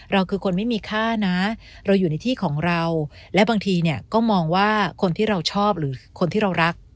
เราคือคนไม่มีค่านะเราอยู่ในที่ของเราและบางทีเนี่ยก็มองว่าคนที่เราชอบหรือคนที่เรารัก